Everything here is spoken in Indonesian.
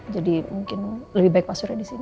jadi mungkin lebih baik pak surya disini